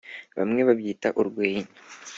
bamwe babyita “urwenya”,